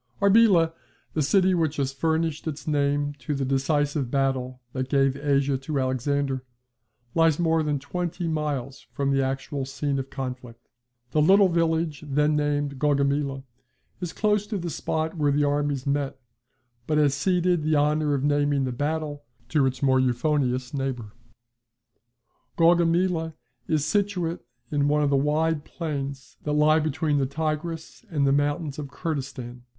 Arbela, the city which has furnished its name to the decisive battle that gave Asia to Alexander, lies more than twenty miles from the actual scene of conflict. The little village then named Gaugamela is close to the spot where the armies met, but has ceded the honour of naming the battle to its more euphonious neighbour. Gaugamela is situate in one of the wide plains that lie between the Tigris and the mountains of Kurdistan.